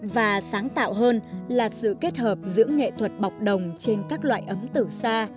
và sáng tạo hơn là sự kết hợp giữa nghệ thuật bọc đồng trên các loại ấm từ xa